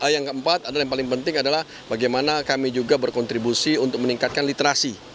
yang keempat adalah yang paling penting adalah bagaimana kami juga berkontribusi untuk meningkatkan literasi